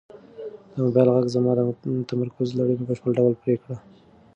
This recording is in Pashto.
د موبایل غږ زما د تمرکز لړۍ په بشپړ ډول پرې کړه.